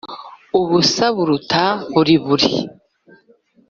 Ubusa buruta buriburi